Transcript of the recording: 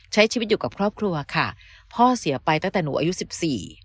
ใช้ชีวิตอยู่กับครอบครัวค่ะพ่อเสียไปตั้งแต่หนูอายุสิบสี่